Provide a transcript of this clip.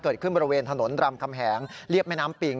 เกิดขึ้นบริเวณถนนรำคำแหงเรียบแม่น้ำปิง